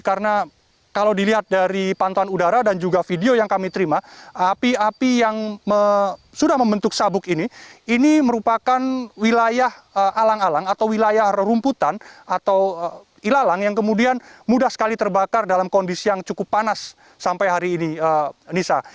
karena kalau dilihat dari pantauan udara dan juga video yang kami terima api api yang sudah membentuk sabuk ini ini merupakan wilayah alang alang atau wilayah rumputan atau ilalang yang kemudian mudah sekali terbakar dalam kondisi yang cukup panas sampai hari ini nisa